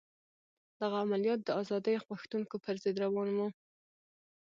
دغه عملیات د ازادي غوښتونکو پر ضد روان وو.